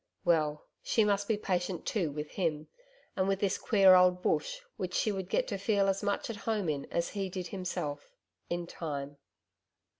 Well, she must be patient too with him, and with this queer old Bush which she would get to feel as much at home in as he did himself in time.